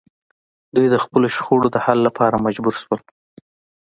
دوی د خپلو شخړو د حل لپاره مجبور شول